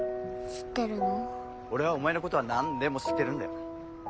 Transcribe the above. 俺はお前のことは何でも知ってるんだよ。